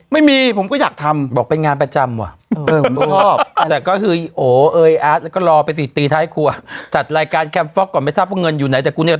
มันเปิดเพลงจริงจริงพี่เปิดเพลงแล้วแจกดอกไม้เนอะเออไปกันนั่นคือ